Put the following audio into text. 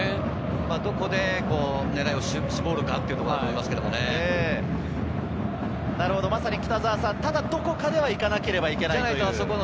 どこで狙いを絞るかだと北澤さん、ただどこかではいかなければいけない。